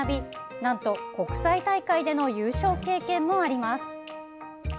なんと、国際大会での優勝経験もあります。